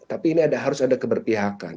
tapi ini harus ada keberpihakan